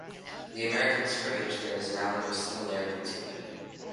The American scrimmage bears now no similarity to it.